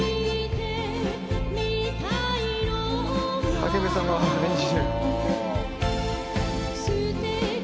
「武部さんがアレンジ」